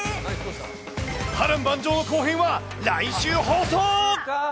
波乱万丈の後編は来週放送。